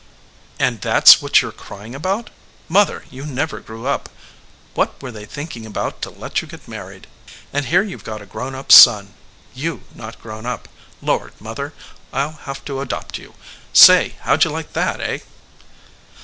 "And that s what you re crying about ? Mother, 178 THE LIAR you never grew up. What were they thinking about to let you get married ? And here you ve got a grown up son, you not grown up. Lord ! mother,, I ll have to adopt you. Say, how d you like that, eh?"